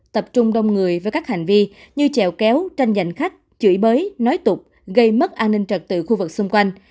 tập trung đông người với các hành vi như chèo kéo tranh giành khách chửi bới nói tục gây mất an ninh trật tự khu vực xung quanh